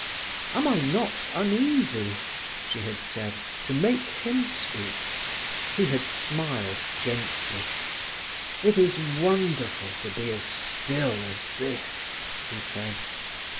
"Am I not uneasy?" she had said, to make him speak. He had smiled gently. "It is wonderful to be as still as this," he said.